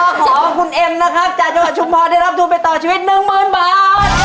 ก็เพราะว่าขอขอบคุณเอ็มนะครับจากจังหวัดชุมพอดิรับทุนไปต่อชีวิต๑หมื่นบาท